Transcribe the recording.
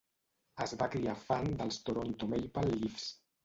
Es va criar fan dels Toronto Maple Leafs.